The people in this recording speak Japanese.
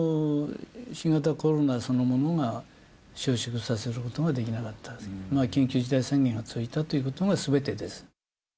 新型コロナそのものが収束させることができなかった、緊急事態宣言が続いたということがすべてです。